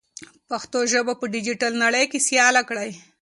پښتو ژبه په ډیجیټل نړۍ کې سیاله کړئ.